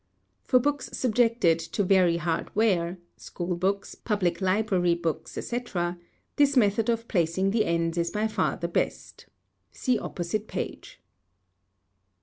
For books subjected to very hard wear (school books, public library books, etc.) this method of placing the ends is by far the best. See opposite page.